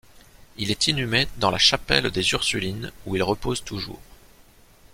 Il est inhumé dans la chapelle des Ursulines où il repose toujours.